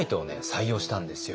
採用したんですよ。